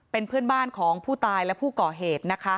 เป็นเพื่อนบ้านของผู้ตายและผู้ก่อเหตุ